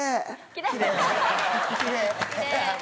「きれい」。